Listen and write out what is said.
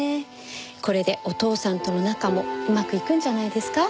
これでお父さんとの仲もうまくいくんじゃないですか？